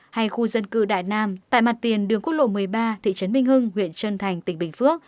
hay khu dân cư đại nam tại mặt tiền đường quốc lộ một mươi ba thị trấn minh hưng huyện trân thành tỉnh bình phước